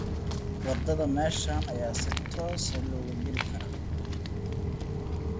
The street can be entered directly from here today.